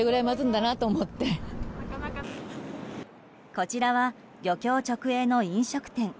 こちらは漁協直営の飲食店。